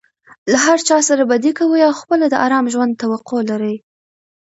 له هرچا سره بدي کوى او خپله د آرام ژوند توقع لري.